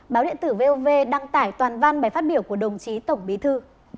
báo điện tử vov đăng tải toàn văn bài phát biểu của đồng chí tổng bí thư